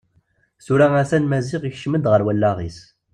Tura a-t-an Maziɣ yekcem-d ɣer wallaɣ-is.